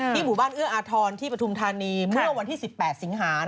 หมู่บ้านเอื้ออาทรที่ปฐุมธานีเมื่อวันที่๑๘สิงหา